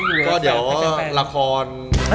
แล้วก็เดี๋ยวละคร